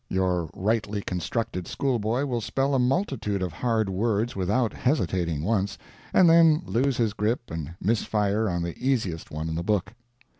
Your rightly constructed schoolboy will spell a multitude of hard words without hesitating once, and then lose his grip and miss fire on the easiest one in the book.